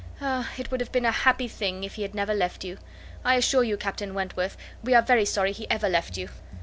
Ah! it would have been a happy thing, if he had never left you. I assure you, Captain Wentworth, we are very sorry he ever left you."